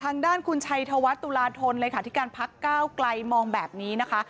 ทางด้านคุณชัยธวัฒน์ตุลาธนเลขาธิการพักก้าวไกลมองแบบนี้นะคะ